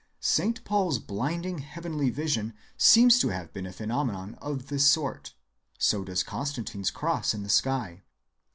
Saint Paul's blinding heavenly vision seems to have been a phenomenon of this sort; so does Constantine's cross in the sky.